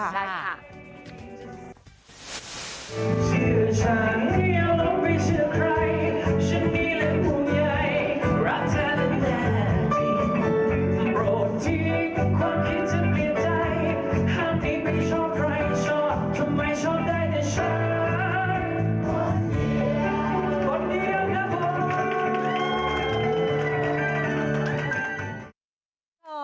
ได้ค่ะ